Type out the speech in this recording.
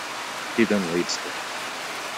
He then leaves her.